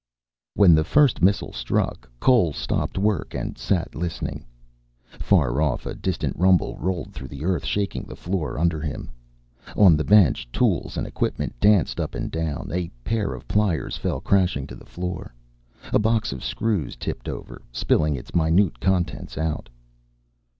When the first missile struck, Cole stopped work and sat listening. Far off, a distant rumble rolled through the earth, shaking the floor under him. On the bench, tools and equipment danced up and down. A pair of pliers fell crashing to the floor. A box of screws tipped over, spilling its minute contents out.